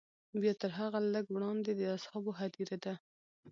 بیا تر هغه لږ وړاندې د اصحابو هدیره ده.